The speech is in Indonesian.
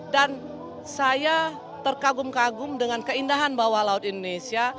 dan saya terkagum kagum dengan keindahan bawah laut indonesia